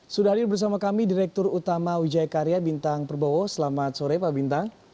sudah hadir bersama kami direktur utama wijaya karya bintang perbowo selamat sore pak bintang